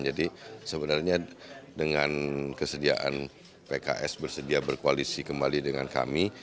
jadi sebenarnya dengan kesediaan pks bersedia berkoalisi kembali dengan kami